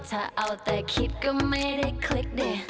ถ้าเอาแต่คิดก็ไม่ได้คลิกเด็ก